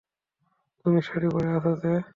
তুমি শাড়ি পরে আছো যে?